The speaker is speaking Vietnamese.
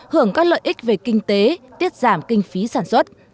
hưởng các lợi ích về kinh tế tiết giảm kinh phí sản xuất